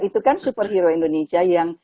itu kan superhero indonesia yang